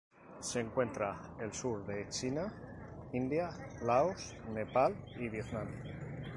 Se encuentra en el sur de China, India, Laos, Nepal y Vietnam.